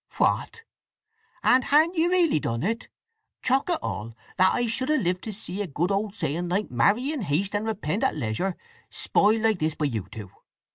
"What—and ha'n't ye really done it? Chok' it all, that I should have lived to see a good old saying like 'marry in haste and repent at leisure' spoiled like this by you two!